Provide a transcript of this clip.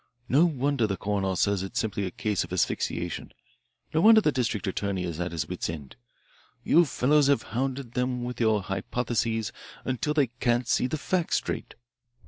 No wonder the coroner says it is simply a case of asphyxiation. No wonder the district attorney is at his wits' end. You fellows have hounded them with your hypotheses until they can't see the facts straight.